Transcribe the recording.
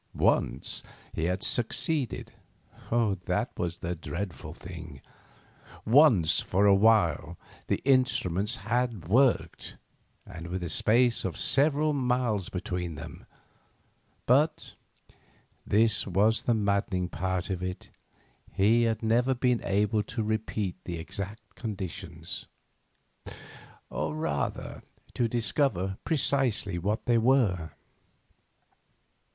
Once he had succeeded—that was the dreadful thing. Once for a while the instruments had worked, and with a space of several miles between them. But—this was the maddening part of it—he had never been able to repeat the exact conditions; or, rather, to discover precisely what they were.